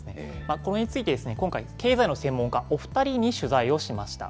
これについて今回、経済の専門家お２人に取材をしました。